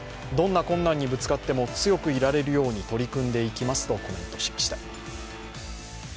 どんな困難にぶつかっても強くいられるように取り組んでいきますとコメントしました。